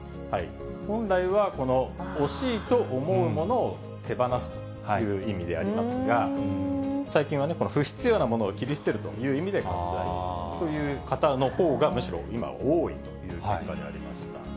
本来は、この惜しいと思うものを手放すという意味でありますが、最近は不必要なものを切り捨てるという意味で割愛という方のほうがむしろ今、多いという結果でありました。